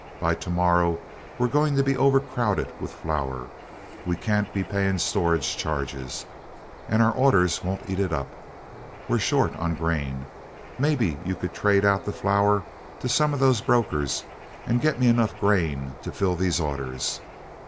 By to morrow we're going to be overcrowded with flour. We can't be paying storage charges, and our orders won't eat it up. We're short on grain. Maybe you could trade out the flour to some of those brokers and get me enough grain to fill these orders."